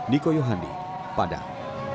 niko yohandi padang